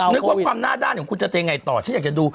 นึกว่าความหน้าด้านของคุณจะยังไงต่อฉันอยากจะดู